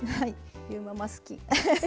ゆーママ好き！